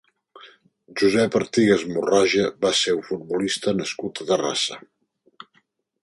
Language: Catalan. Josep Artigas Morraja va ser un futbolista nascut a Terrassa.